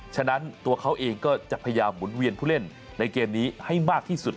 ฉะนั้นตัวเขาเองก็จะพยายามหมุนเวียนผู้เล่นในเกมนี้ให้มากที่สุด